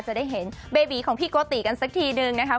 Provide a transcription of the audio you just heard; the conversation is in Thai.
จะได้เห็นเบบีของพี่โกติกันสักทีนึงนะคะ